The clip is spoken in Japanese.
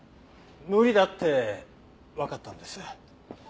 無理だってわかったんです。